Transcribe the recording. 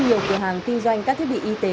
nhiều cửa hàng kinh doanh các thiết bị y tế